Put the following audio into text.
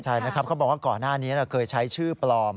ใช่นะครับเขาบอกว่าก่อนหน้านี้เคยใช้ชื่อปลอม